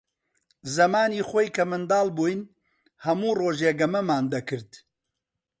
زەمانی خۆی کە منداڵ بووین، هەموو ڕۆژێ گەمەمان دەکرد.